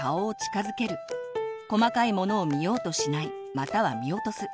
細かいものを見ようとしないまたは見落とす。